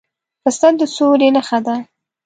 پسه د سولې نښه ده.